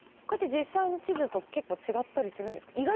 これって実際の地図と結構違ったりするんですか？